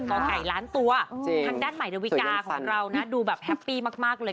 ก่อไก่ล้านตัวทางด้านใหม่ดาวิกาของเรานะดูแบบแฮปปี้มากเลย